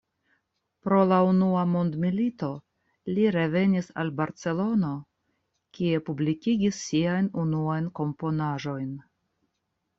Pro la Unua Mondmilito, li revenis al Barcelono, kie publikigis siajn unuajn komponaĵojn.